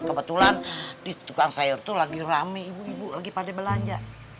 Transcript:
kebetulan di tukang sayur itu lagi rame ibu ibu lagi pada belanja